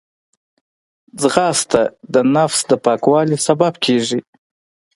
ځغاسته د نفس پاکوالي باعث کېږي